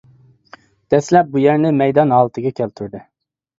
دەسلەپ بۇ يەرنى مەيدان ھالىتىگە كەلتۈردى.